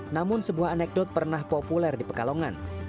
namun sebuah anekdot pernah populer di pekalongan